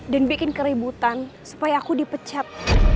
dan bikin keributan supaya aku dipecat